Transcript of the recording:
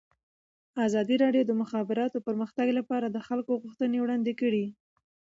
ازادي راډیو د د مخابراتو پرمختګ لپاره د خلکو غوښتنې وړاندې کړي.